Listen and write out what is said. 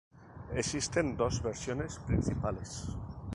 Existen dos versiones principales.